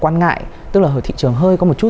quan ngại tức là ở thị trường hơi có một chút